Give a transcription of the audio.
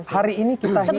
hari ini kita hidup